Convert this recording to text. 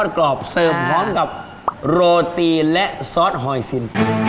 กรอบเสิร์ฟพร้อมกับโรตีและซอสหอยซิน